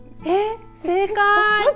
正解。